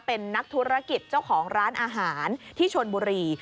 เป็นนักธุรกิจเจ้าของร้านอาหารที่ชนบุรี